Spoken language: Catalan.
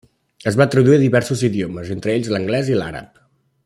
Es va traduir a diversos idiomes, entre ells l'anglès i l'àrab.